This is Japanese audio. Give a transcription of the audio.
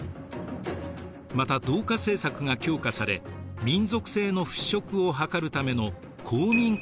また同化政策が強化され民族性の払拭を図るための皇民化政策がとられます。